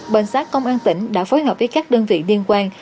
bên xác công an tỉnh đã phối hợp với các đơn vị liên quan